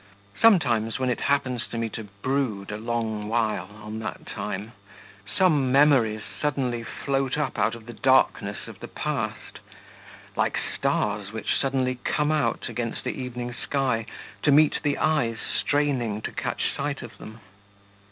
Sometimes when it happens to me to brood a long while on that time, some memories suddenly float up out of the darkness of the past like stars which suddenly come out against the evening sky to meet the eyes straining to catch sight of them.